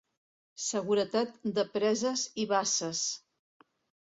Seguretat de preses i basses.